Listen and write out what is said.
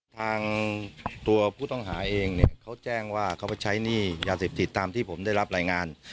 ทางตัวผู้ต้องหาเองเนี่ยเขาแจ้งว่าเขาไปใช้หนี้ยาเสพติดตามที่ผมได้รับรายงาน